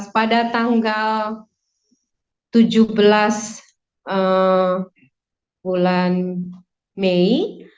pada tanggal tujuh belas bulan mei